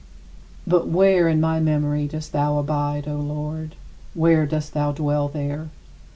But where in my memory dost thou abide, O Lord? Where dost thou dwell there?